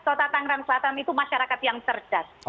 kota tangerang selatan itu masyarakat yang cerdas